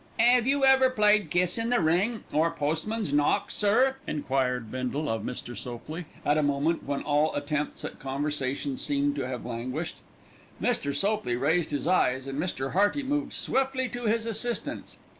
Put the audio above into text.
"'Ave you ever played Kiss in the ring, or Postman's knock, sir?" enquired Bindle of Mr. Sopley, at a moment when all attempts at conversation seemed to have languished. Mr. Sopley raised his eyes, and Mr. Hearty moved swiftly to his assistance.